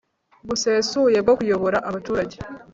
busesuye bwo kuyobora abaturage